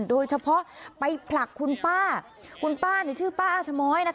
โดยเฉพาะไปผลักคุณป้าคุณป้าชื่อป้าอาชม้อย